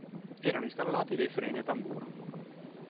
Erano installati dei freni a tamburo.